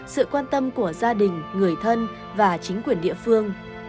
sự quan tâm của gia đình người thân và chính quyền địa phương